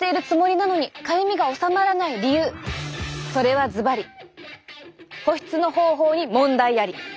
それはずばり！保湿の方法に問題あり！